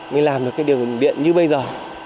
mới làm được cái đường điện như bây giờ